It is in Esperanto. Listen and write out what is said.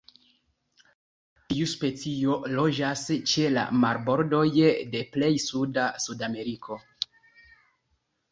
Tiu specio loĝas ĉe la marbordoj de plej suda Sudameriko.